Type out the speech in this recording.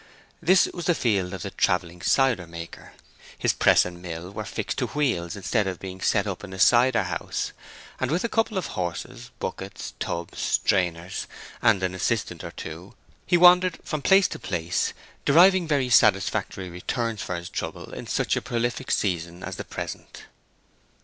This was the field of the travelling cider maker. His press and mill were fixed to wheels instead of being set up in a cider house; and with a couple of horses, buckets, tubs, strainers, and an assistant or two, he wandered from place to place, deriving very satisfactory returns for his trouble in such a prolific season as the present.